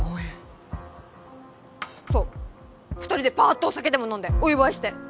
そう２人でパーッとお酒でも飲んでお祝いして。